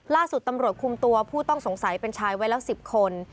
ล่าสุดตำรวจคุมตัวผู้ต้องสงสัยเป็นชายไว้แล้ว๑๐คน